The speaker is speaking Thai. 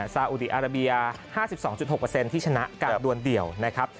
ซาอุดีอาราเบีย๕๒๖ที่ชนะการดวนเดี่ยวนะครับ